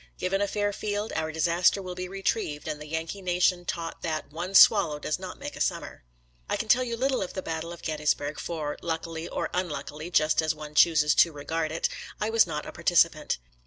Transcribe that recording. Given a fair field, our dis aster will be retrieved, and the Yankee nation taught that " one swallow does not make a summer." I can tell you little of the battle of Gettys burg, for, luckily or unluckily — ^just as one chooses to regard it — I was not a participant.